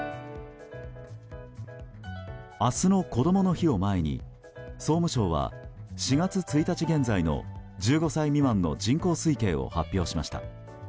明日のこどもの日を前に総務省は４月１日現在の１５歳未満の人口推計を発表しました。